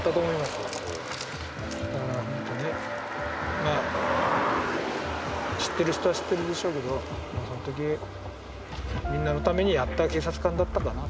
まあ知ってる人は知ってるでしょうけどそのときみんなのためにやった警察官だったかなと。